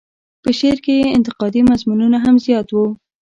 په شعر کې یې انتقادي مضمونونه هم زیات وو.